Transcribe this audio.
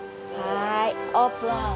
はーいオープン！